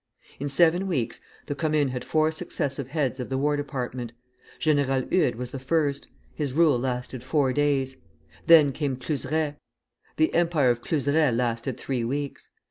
In seven weeks the Commune had four successive heads of the War Department. General Eudes was the first: his rule lasted four days. Then came Cluseret; the Empire Cluseret lasted three weeks.